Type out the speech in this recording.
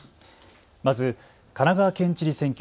まず神奈川県知事選挙。